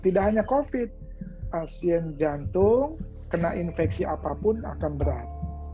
tidak hanya covid pasien jantung kena infeksi apapun akan berat